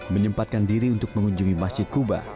menyempatkan diri untuk mengunjungi masjid kuba